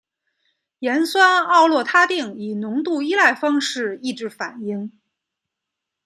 盐酸奥洛他定以浓度依赖方式抑制反应。